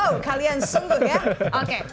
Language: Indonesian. oh kalian sungguh ya